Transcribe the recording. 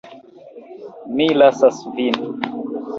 Mi lasas vin.